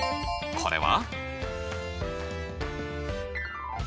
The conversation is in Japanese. これは？